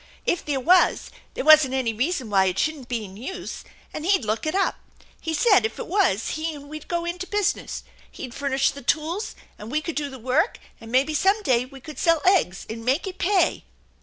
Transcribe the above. If there was, there wasn't any reason why it shouldn't be in use, and he'd look it up. He said, if it was, he and we'd go into business. He'd furnish the tools and we could do the work, and maybe some day we could sell eggs and make it pay."